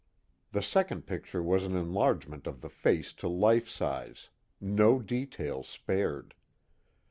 The second picture was an enlargement of the face to life size, no detail spared.